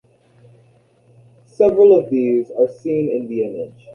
Several of these are seen in the image.